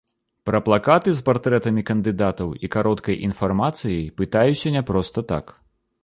Пра плакаты з партрэтамі кандыдатаў і кароткай інфармацыяй пытаюся не проста так.